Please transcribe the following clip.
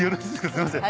すいません。